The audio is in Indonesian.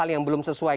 yang belum sesuai